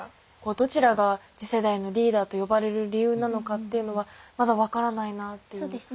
どちらが次世代のリーダーと呼ばれる理由なのかっていうのはまだ分からないなって思います。